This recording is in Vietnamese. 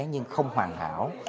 nhưng không hoàn hảo